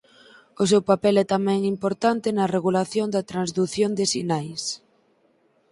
O seu papel é tamén importante na regulación da transdución de sinais.